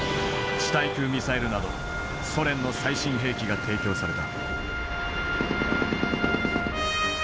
地対空ミサイルなどソ連の最新兵器が提供された。